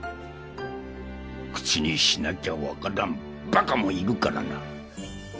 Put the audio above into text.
口にしなきゃ分からんバカもいるからな。